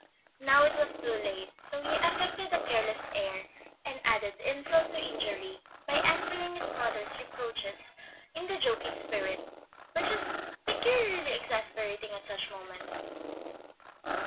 Now it was too late; so he affected a careless air, and added insult to injury by answering his brother's reproaches in the joking spirit which is peculiarly exasperating at such moments.